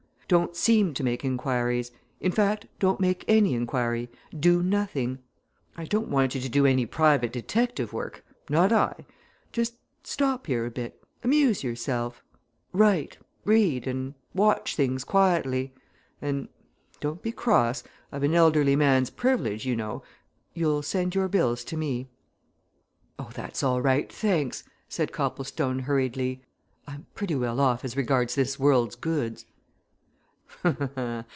"Don't seem to make inquiries in fact, don't make any inquiry do nothing. I don't want you to do any private detective work not I! Just stop here a bit amuse yourself write read and watch things quietly. And don't be cross I've an elderly man's privilege, you know you'll send your bills to me." "Oh, that's all right, thanks!" said Copplestone, hurriedly. "I'm pretty well off as regards this world's goods."